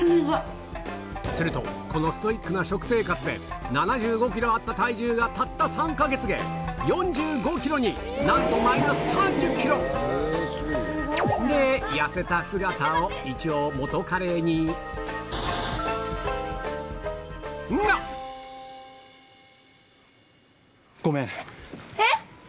するとこのストイックな食生活で７５ｋｇあった体重がたった３か月で４５ｋｇになんとマイナス３０ｋｇ痩せた姿を一応彼にえ⁉